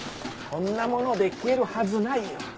こんなもので消えるはずないよ。